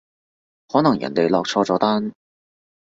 可能人哋落錯咗單